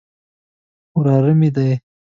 وراره مې دی.